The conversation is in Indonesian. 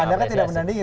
anda kan tidak menandingi